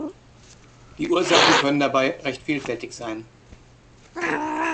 Die Ursachen können dabei recht vielfältig sein.